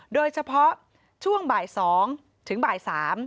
โดยเฉพาะช่วงบ่าย๒ถึงบ่าย๓